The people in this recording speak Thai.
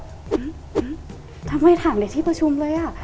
ทำไมถามในที่ประชุมเลยอ่ะ